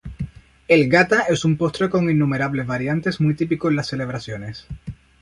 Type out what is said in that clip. El gata es un postre con innumerables variantes muy típico en las celebraciones.